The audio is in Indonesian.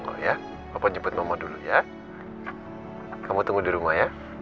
lo harus tuntasin masalah ini loh